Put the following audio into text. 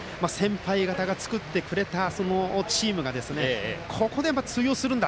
先輩方が作ってくれたチームがここで通用するんだ